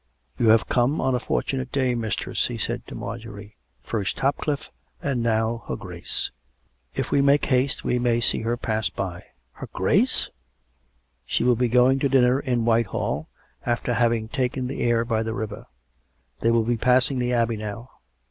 " You have come on a fortunate day, mistress," he said to Marjorie. " First Topcliffe, and now her Grace; if we make haste we may see her pass by." "Her Grace?" 164 COME RACK! COME ROPE!, " She will be going to dinner in Whitehall, after having taken the air by the river. They will be passing the Abbey now.